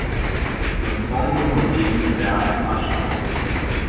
Antônio Rodrigues Braz Machado